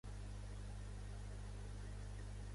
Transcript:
Anys després, en què es va convertir Carme?